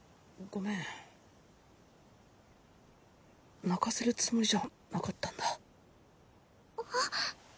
ごめん泣かせるつもりじゃなかったんだあっ